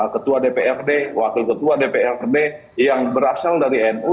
ketua dprd wakil ketua dprd yang berasal dari nu